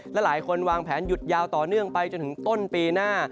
และหลายคนวางแผนหยุดยาวต่อเนื่องไปจนถึงต้นปีหน้า